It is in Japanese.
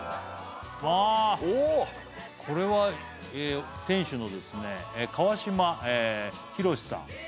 あこれは店主の川島宏さん